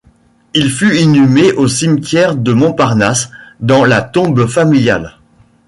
Il fut inhumé au cimetière de Montparnasse, dans la tombe familiale.